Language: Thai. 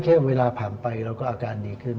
เวลาผ่านไปเราก็อาการดีขึ้น